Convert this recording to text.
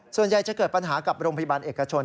ส่วนใหญ่จะเกิดปัญหากับโรงพยาบาลเอกชน